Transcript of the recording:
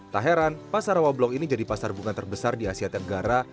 tak heran pasar rawablong ini jadi pasar bunga terbesar di asia tenggara